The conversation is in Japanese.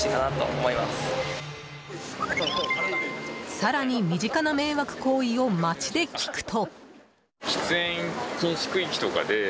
更に身近な迷惑行為を街で聞くと。